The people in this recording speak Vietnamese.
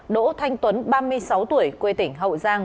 đỗ thanh tuấn ba mươi sáu tuổi quê tỉnh hậu giang